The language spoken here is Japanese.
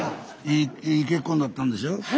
いい結婚だったんでしょう？